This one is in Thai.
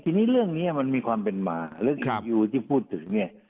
ทีนี้เรื่องนี้มันมีความเป็นมาเรื่องคดียูที่พูดถึงเนี่ย